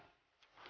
ya makanya duluan